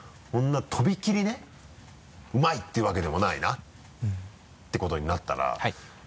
そんなとびきりねうまいっていうわけでもないなてことになったら。